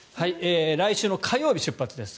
来週の火曜日出発です。